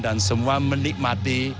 dan semua menikmati